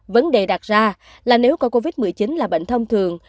vấn đề đặt ra là nếu có covid một mươi chín là bệnh thông thường